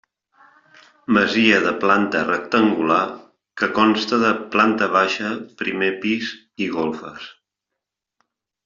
Masia de planta rectangular que consta de planta baixa, primer pis i golfes.